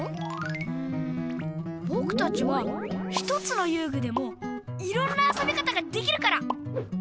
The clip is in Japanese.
うんぼくたちは１つのゆうぐでもいろんなあそび方ができるから！